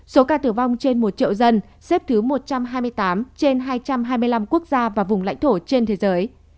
số ca tử vong trên một triệu dân xếp thứ một trăm hai mươi tám trên hai trăm hai mươi năm quốc gia và vùng lãnh thổ trên thế giới